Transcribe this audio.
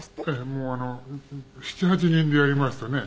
もう７８人でやりますとね